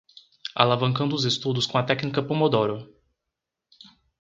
Alavancando os estudos com a técnica pomodoro